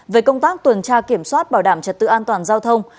về công tác tuần tra kiểm soát bảo đảm trật tự an toàn giao thông